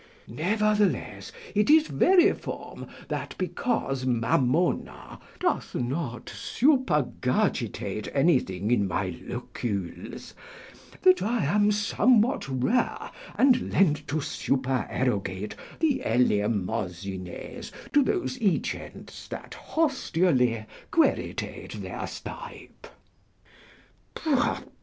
Nevertheless, it is veriform, that because Mammona doth not supergurgitate anything in my loculs, that I am somewhat rare and lent to supererogate the elemosynes to those egents that hostially queritate their stipe.